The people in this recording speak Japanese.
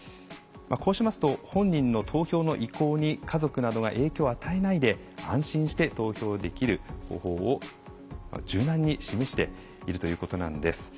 こうしますと本人の投票の意向に家族などが影響を与えないで安心して投票できる方法を柔軟に示しているということなんです。